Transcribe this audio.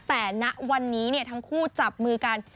แต่ณวันนี้ทั้งคู่จับมือกัน